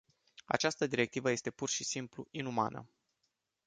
Această directivă este, pur și simplu, inumană.